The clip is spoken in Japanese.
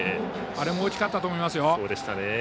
あれも大きかったと思います。